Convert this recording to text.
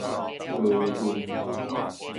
叨甪